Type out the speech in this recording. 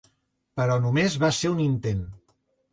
Però només va ser un intent.